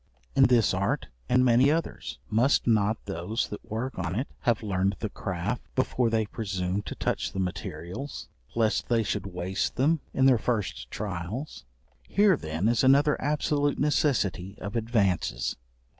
In this art, and many others, must not those that work on it have learned the craft before they presume to touch the materials, lest they should waste them in their first trials? Here then is another absolute necessity of advances.